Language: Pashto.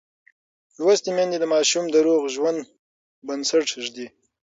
لوستې میندې د ماشوم د روغ ژوند بنسټ ږدي.